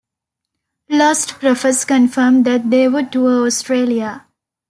Lostprophets confirmed that they would tour Australia.